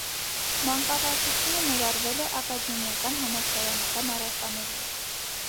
Մանկավարժությունը ներառվել է ակադեմիական համալսարանական առարկաներում։